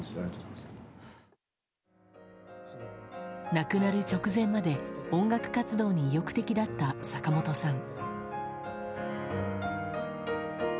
亡くなる直前まで音楽活動に意欲的だった坂本さん。